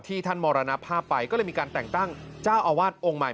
ท่านมรณภาพไปก็เลยมีการแต่งตั้งเจ้าอาวาสองค์ใหม่